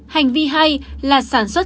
hành vi hai là sản xuất